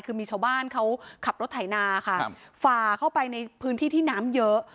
คือมีชาวบ้านเขาขับรถไถนาค่ะฝ่าเข้าไปในพื้นที่ที่น้ำเยอะ